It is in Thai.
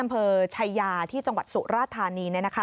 อำเภอชายาที่จังหวัดสุราธานี